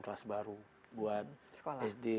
kelas baru buat sd